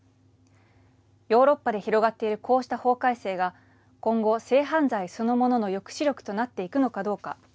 ヨーロッパで広がっているこうした法改正が今後、性犯罪そのものの抑止力となっていくのかどうか。